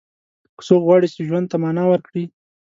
که څوک غواړي چې ژوند ته معنا ورکړي.